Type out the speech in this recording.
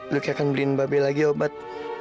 luki akan beliin babe lagi obat